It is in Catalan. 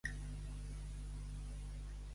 Treu-li volum als bafles.